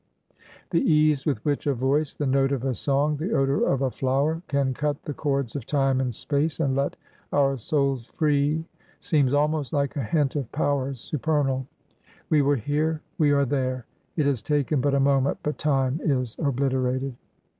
" The ease with which a voice, the note of a song, the odor of a flower, can cut the cords of time and space and let our souls free seems almost like a hint of powers su pernal. We were here— we are there! It has taken but a moment, but time is obliterated.